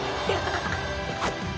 ハハハ。